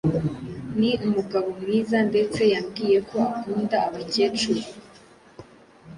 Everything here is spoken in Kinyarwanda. Ni umugabo mwiza ndetse yambwiye ko akunda abakecuru